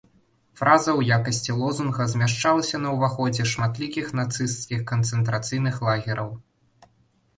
Фраза ў якасці лозунга змяшчалася на ўваходзе шматлікіх нацысцкіх канцэнтрацыйных лагераў.